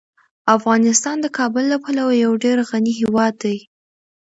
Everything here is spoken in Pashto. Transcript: افغانستان د کابل له پلوه یو ډیر غني هیواد دی.